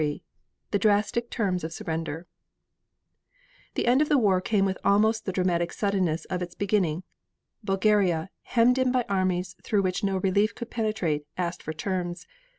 CHAPTER LIII THE DRASTIC TERMS OF SURRENDER The end of the war came with almost the dramatic suddenness of its beginning. Bulgaria, hemmed in by armies through which no relief could penetrate, asked for terms.